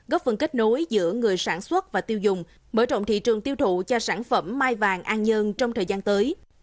góp phần kết nối giữa người sản xuất và tiêu dùng mở rộng thị trường tiêu thụ cho sản phẩm mai vàng an dơn trong thời gian tới